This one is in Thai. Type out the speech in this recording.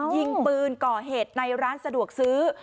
ยิงปืนก่อเหตุในร้านสะดวกซื้อ